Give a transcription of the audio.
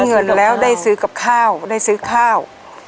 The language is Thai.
เงินแล้วได้ซื้อกับข้าวได้ซื้อข้าว